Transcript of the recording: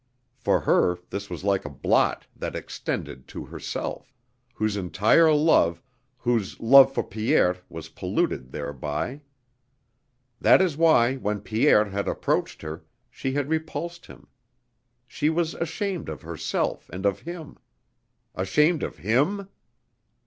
For her this was like a blot that extended to herself, whose entire love, whose love for Pierre was polluted thereby. That is why when Pierre had approached her she had repulsed him; she was ashamed of herself and of him.... Ashamed of him?